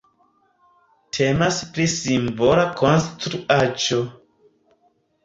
Temas pri simbola konstruaĵo.